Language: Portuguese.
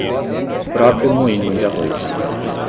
Próprio moinho de arroz